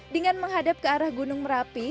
dengan menghadap ke arah gunung merapi